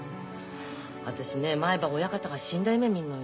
私ね毎晩親方が死んだ夢見んのよ。